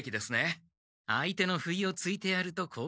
相手のふいをついてやるとこうかてきなんだ。